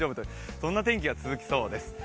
そんな天気が続きそうです。